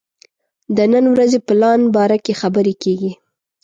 د نن ورځې پلان باره کې خبرې کېږي.